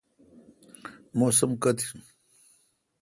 موسم کوتھ این۔